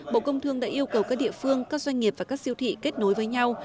bộ công thương đã yêu cầu các địa phương các doanh nghiệp và các siêu thị kết nối với nhau